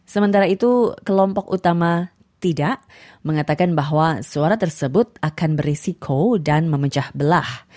sementara itu kelompok utama tidak mengatakan bahwa suara tersebut akan berisiko dan memecah belah